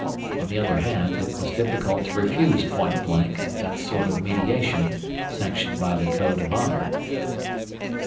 On the other hand, it was difficult to refuse point blank that sort of mediation sanctioned by the code of honour.